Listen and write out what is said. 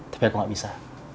tapi aku gak bisa